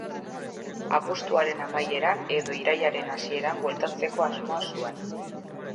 Abuztuaren amaieran edo irailaren hasieran bueltatzeko asmoa zuen.